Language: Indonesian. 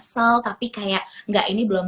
sel tapi kayak enggak ini belum